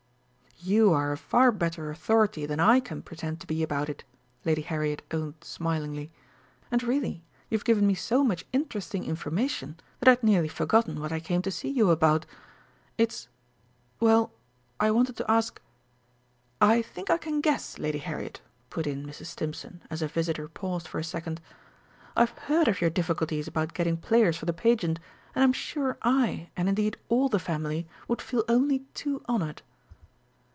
"You are a far better authority than I can pretend to be about it," Lady Harriet owned smilingly; "and really you've given me so much interesting information that I had nearly forgotten what I came to see you about. It's well, I wanted to ask " "I think I can guess, Lady Harriet," put in Mrs. Stimpson, as her visitor paused for a second. "I've heard of your difficulties about getting players for the Pageant, and I'm sure I, and indeed all the family, would feel only too honoured."